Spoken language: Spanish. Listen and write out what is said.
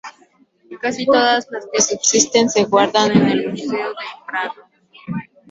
Casi todas las que subsisten se guardan en el Museo del Prado.